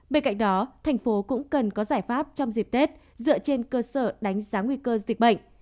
bên cạnh đó thành phố cũng cần có giải pháp trong dịp tết dựa trên cơ sở đánh giá nguy cơ dịch bệnh